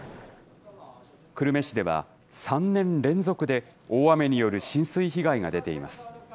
久留米市では、３年連続で大雨による浸水被害が出ています。